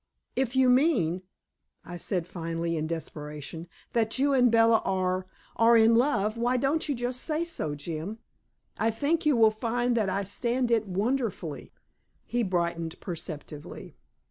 "If you mean," I said finally in desperation, "that you and Bella are are in love, why don't you say so, Jim? I think you will find that I stand it wonderfully." He brightened perceptibly.